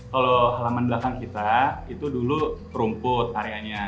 kalau halaman belakang kita itu dulu rumput area nya